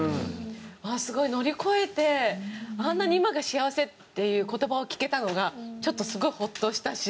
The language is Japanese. すごい乗り越えてあんなに「今が幸せ」っていう言葉を聞けたのがちょっとすごいホッとしたし。